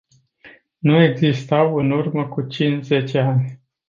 Nu existau în urmă cu cinci-zece ani.